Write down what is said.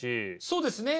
そうですね。